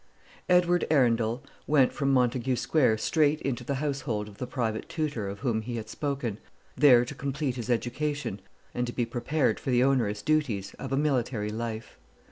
Edward Arundel went from Montague Square straight into the household of the private tutor of whom he had spoken, there to complete his education, and to be prepared for the onerous duties of a military life.